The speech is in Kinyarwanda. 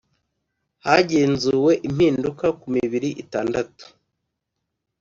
Hagenzuwe impinduka ku mibiri itandatu